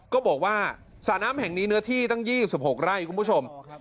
ก็บอกว่าสระน้ำแห่งนี้เนื้อที่ตั้ง๒๖ไร่คุณผู้ชม